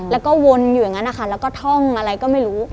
แล้วก็วนอยู่อย่างนั้นนะคะแล้วก็ท่องอะไรก็ไม่รู้